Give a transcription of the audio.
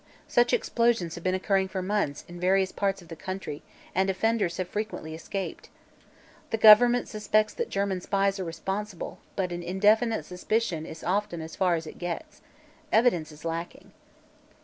Such explosions have been occurring for months, in various parts of the country, and the offenders have frequently escaped. The government suspects that German spies are responsible, but an indefinite suspicion is often as far as it gets. Evidence is lacking."